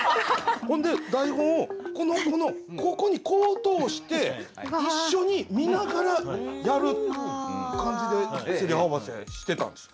ほんで台本をこの子のここにこう通して一緒に見ながらやる感じでせりふ合わせしてたんですよ。